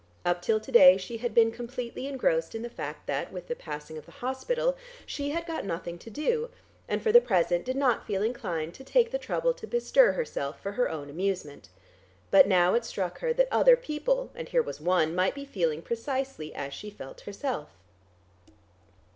Up till to day she had been completely engrossed in the fact that, with the passing of the hospital, she had got nothing to do, and, for the present, did not feel inclined to take the trouble to bestir herself for her own amusement. But now it struck her that other people (and here was one) might be feeling precisely as she felt herself.